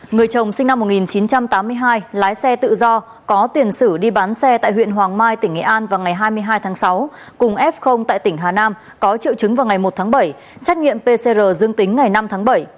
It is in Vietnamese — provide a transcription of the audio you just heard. người chồng sinh năm một nghìn chín trăm tám mươi hai lái xe tự do có tiền sử đi bán xe tại huyện hoàng mai tỉnh nghệ an vào ngày hai mươi hai tháng sáu cùng f tại tỉnh hà nam có triệu chứng vào ngày một tháng bảy xét nghiệm pcr dương tính ngày năm tháng bảy